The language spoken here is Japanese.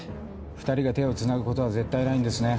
２人が手をつなぐことは絶対ないんですね？